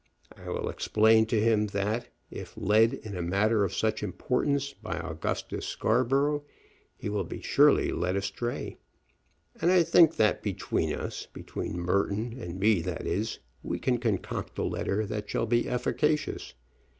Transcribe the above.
I will explain to him that, if led in a matter of such importance by Augustus Scarborough, he will be surely led astray. And I think that between us, between Merton and me, that is, we can concoct a letter that shall be efficacious.